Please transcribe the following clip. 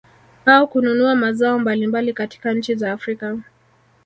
Au kununua mazao mbalimbali katika nchi za Afrika